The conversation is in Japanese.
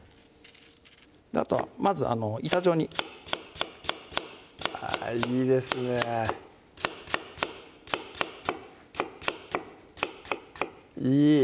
あとはまず板状にあぁいいですねいい